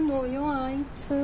あいつは！